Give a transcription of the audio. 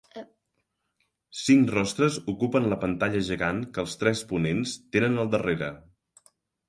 Cinc rostres ocupen la pantalla gegant que els tres ponents tenen al darrere.